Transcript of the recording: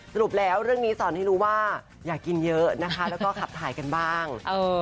สรุปแล้วเรื่องนี้สอนให้รู้ว่าอยากกินเยอะนะคะแล้วก็ขับถ่ายกันบ้าง